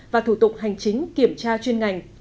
và thủ tục hành chính kiểm tra chuyên ngành